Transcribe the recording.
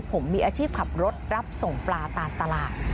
ผมมีอาชีพขับรถรับส่งปลาตามตลาด